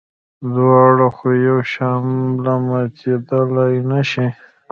دواړه خو یو شان ملامتېدلای نه شي.